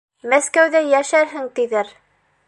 Мәскәүҙә йәшәрһең тиҙәр.